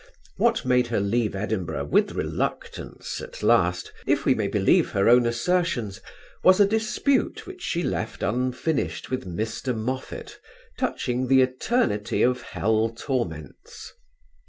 What made her leave Edinburgh with reluctance at last, if we may believe her own assertions, was a dispute which she left unfinished with Mr Moffat, touching the eternity of hell torments.